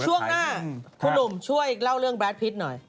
ช่วงหน้าคุณหนุ่มช่วยเล่าเรื่องแรดพิษหน่อย